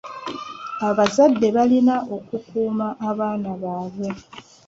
Abazadde balina okukuuma abaana baabwe.